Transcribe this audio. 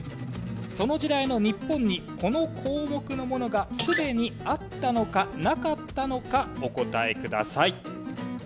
その時代の日本にこの項目のものがすでにあったのかなかったのかお答えください。